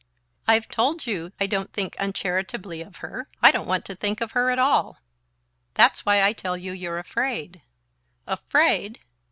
"I've told you I don't think uncharitably of her. I don't want to think of her at all!" "That's why I tell you you're afraid." "Afraid?"